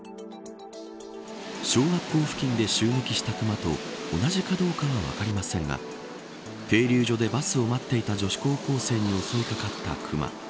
小学校付近で襲撃したクマと同じかどうかは分かりませんが停留所でバスを待っていた女子高校生に襲い掛かったクマ。